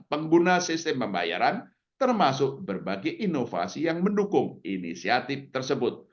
pengguna sistem pembayaran termasuk berbagai inovasi yang mendukung inisiatif tersebut